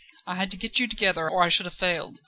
I had to get you together, or I should have failed.